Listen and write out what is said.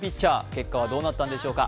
結果はどうなったんでしょうか。